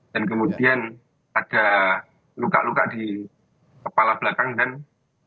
dan kemudian ada luka luka di kepala belakang dan kelipis